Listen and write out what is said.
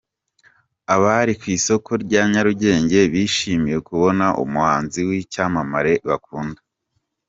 Abari ku isoko rya Nyarugenge bishimiye kubona umuhanzi w'icyamamare bakunda.